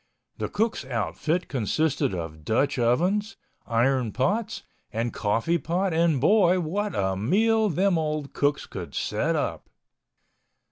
The cook's outfit consisted of Dutch ovens, iron pots and coffee pot and boy, what a meal them old cooks could set up!